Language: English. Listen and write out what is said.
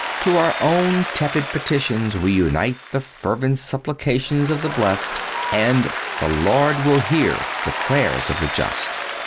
To our own tepid petitions we unite the fervent supplications of the blessed and "the Lord will hear the prayers of the just."